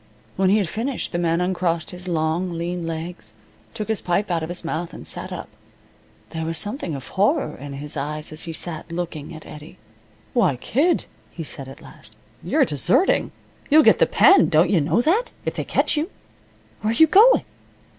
When he had finished the man uncrossed his long lean legs, took his pipe out of his mouth, and sat up. There was something of horror in his eyes as he sat, looking at Eddie. "Why, kid," he said, at last. "You're deserting! You'll get the pen, don't you know that, if they catch you? Where you going?"